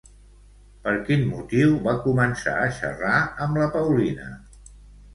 Per quin motiu va començar a xerrar amb la Paulina?